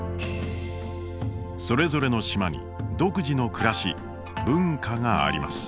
それぞれの島に独自の暮らし文化があります。